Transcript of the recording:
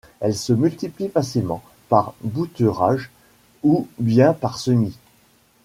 Elle se multiplie facilement par bouturage ou bien par semis.